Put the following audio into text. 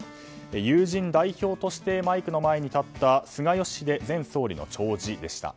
友人代表としてマイクの前に立った菅義偉前総理の弔辞でした。